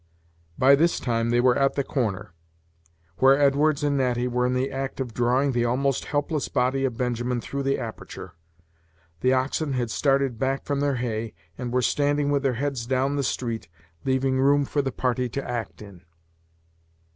By this time they were at the corner, where Edwards and Natty were in the act of drawing the almost helpless body of Benjamin through the aperture. The oxen had started back from their hay, and were standing with their heads down the street, leaving room for the party to act in.